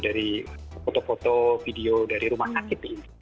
dari foto foto video dari rumah sakit ini